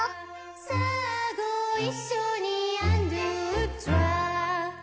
「さぁごいっしょにアン・ドゥ・トロワ！」